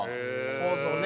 構造ね。